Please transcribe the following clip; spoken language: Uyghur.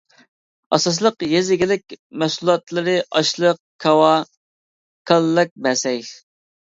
ئاساسلىق يېزا ئىگىلىك مەھسۇلاتلىرى ئاشلىق، كاۋا، كاللەكبەسەي.